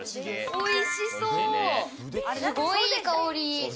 おいしそう、すごいいい香り。